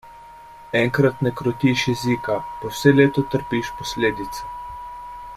Enkrat ne krotiš jezika, pa vse leto trpiš posledice.